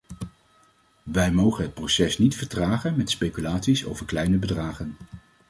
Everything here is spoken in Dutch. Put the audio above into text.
Wij mogen het proces niet vertragen met speculaties over kleine bedragen.